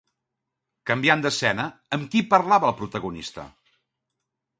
Canviant d'escena, amb qui parlava el protagonista?